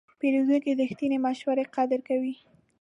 پیرودونکی د رښتینې مشورې قدر کوي.